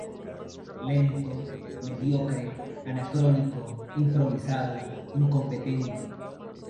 Lento, mediocre, anacrónico, improvisado, incompetente".